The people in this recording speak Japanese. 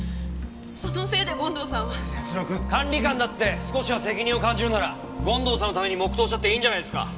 そのせいで権藤さんは。泰乃君。管理官だって少しは責任を感じるなら権藤さんのために黙祷したっていいんじゃないですか？